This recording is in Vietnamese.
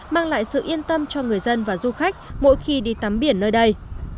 mang lại sự yên tâm cho người dân và du khách mỗi khi đi tắm biển nơi đây